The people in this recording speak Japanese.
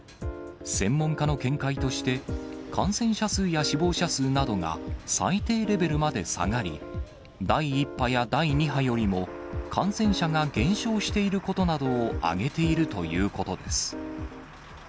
専門家の見解として、感染者数や死亡者数などが最低レベルまで下がり、第１波や第２波よりも感染者が減少していることなどを挙げているということです。